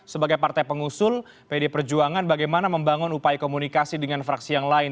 sebagai partai pengusul pd perjuangan bagaimana membangun upaya komunikasi dengan fraksi yang lain